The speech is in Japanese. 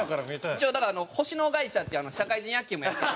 一応だから星野会社っていう社会人野球もやってる。